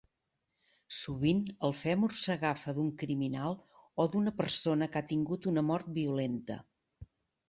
Sovint el fèmur s'agafa d'un criminal o d'una persona que ha tingut una mort violenta.